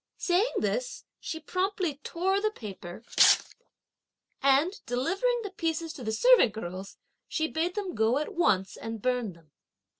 Saying this, she promptly tore the paper, and, delivering the pieces to the servant girls, she bade them go at once and burn them.